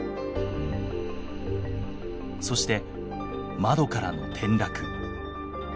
そして窓からの転落。